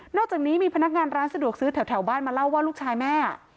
อกจากนี้มีพนักงานร้านสะดวกซื้อแถวบ้านมาเล่าว่าลูกชายแม่